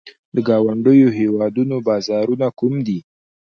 د ګاونډیو هیوادونو بازارونه کوم دي؟